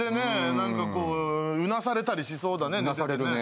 何かうなされたりしそうだねうなされるね